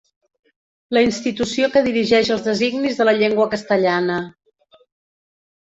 La institució que dirigeix els designis de la llengua castellana.